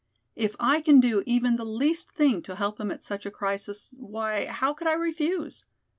If I can do even the least thing to help him at such a crisis, why, how could I refuse?